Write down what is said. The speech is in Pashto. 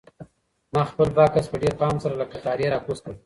ما خپل بکس په ډېر پام سره له کټاره راکوز کړ.